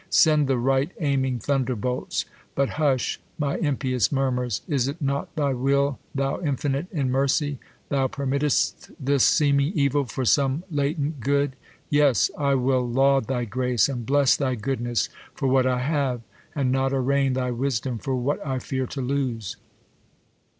» Send the right aiming thunderbolts But hush, My impious murmurs ! Is it not thy will, Thou infinite in mercy ? Thou perm.itt'st This seeming evil for some latent good. Yes, I will laud thy grace, and bless thy goodness For what I have, and not arraign thy v/isdom " For what I fear to lose.